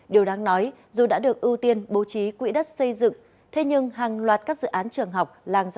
điều đáng nói dù đã được ưu tiên bố trí quỹ đất xây dựng thế nhưng hàng loạt các dự án trường học